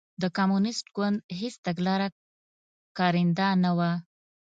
د کمونېست ګوند هېڅ تګلاره کارنده نه وه.